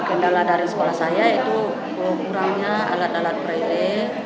kendala dari sekolah saya itu kurangnya alat alat prele